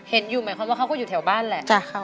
เห็นอยู่หมายความว่าเขาก็อยู่แถวบ้านแหละ